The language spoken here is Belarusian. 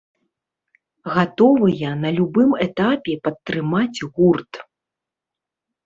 Гатовыя на любым этапе падтрымаць гурт.